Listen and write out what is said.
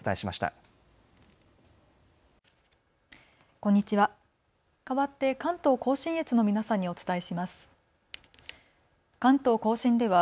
こんにちは。